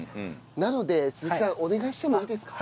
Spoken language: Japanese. なので鈴木さんお願いしてもいいですか？